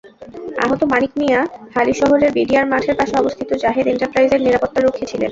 আহত মানিক মিয়া হালিশহরের বিডিআর মাঠের পাশে অবস্থিত জাহেদ এন্টারপ্রাইজের নিরাপত্তারক্ষী ছিলেন।